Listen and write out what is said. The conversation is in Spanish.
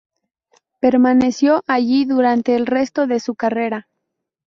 Permaneció allí durante el resto de su carrera.